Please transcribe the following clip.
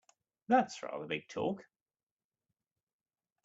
That's rather big talk!